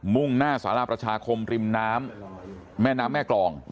่งหน้าสารประชาคมริมน้ำแม่น้ำแม่กรอง